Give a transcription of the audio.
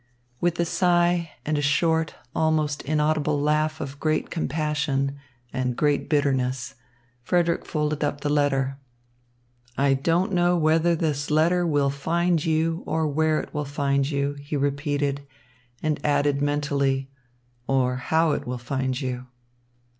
With a sigh and a short, almost inaudible laugh of great compassion and great bitterness, Frederick folded up the letter. "'I don't know whether this letter will find you, or where it will find you,'" he repeated, and added mentally, "or how it will find you."